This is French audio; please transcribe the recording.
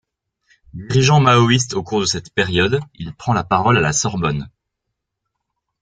Dirigeant maoïste au cours de cette période, il prend la parole à la Sorbonne.